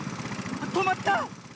とまった！